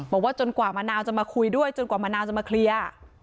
บอกว่าจนกว่ามะนาวจะมาคุยด้วยจนกว่ามะนาวจะมาเคลียร์